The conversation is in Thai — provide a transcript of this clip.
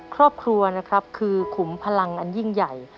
ครอบครัวนะครับคือขุมพลังอันยิ่งใหญ่